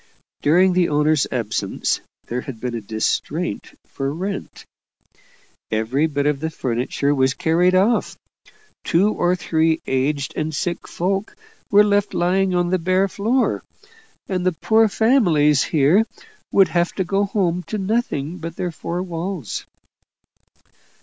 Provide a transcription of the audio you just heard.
During the owners' absence there had been a distraint for rent; every bit of the furniture was carried off; two or three aged and sick folk were left lying on the bare floor and the poor families here would have to go home to nothing but their four walls.